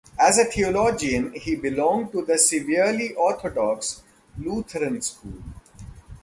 As a theologian he belonged to the severely orthodox Lutheran school.